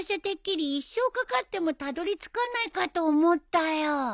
てっきり一生かかってもたどり着かないかと思ったよ。